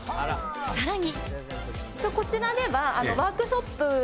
さらに。